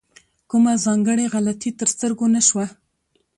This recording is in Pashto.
کومه ځانګړې غلطي تر سترګو نه شوه.